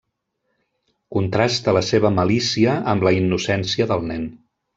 Contrasta la seva malícia amb la innocència del nen.